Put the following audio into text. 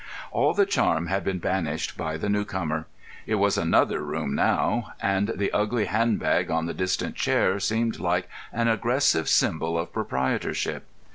All the charm had been banished by the new comer. It was another room now. And the ugly hand bag on the distant chair seemed like an aggressive symbol of proprietorship.